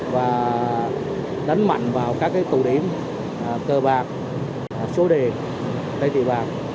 và đánh mạnh vào các cái tù điểm cơ bạc số đề tây tỷ bạc